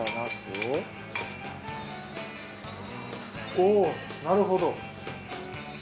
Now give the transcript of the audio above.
おなるほど。